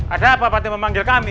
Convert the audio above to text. ada apa pak timu memanggil kami